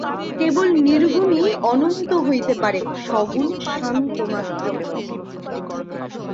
কেবল নির্গুণই অনন্ত হইতে পারে, সগুণ সান্ত মাত্র।